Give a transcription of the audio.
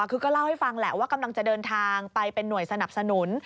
คือก็เล่าให้ฟังแหละว่ากำลังจะเดินทางไปเป็นหน่วยสนับสนุน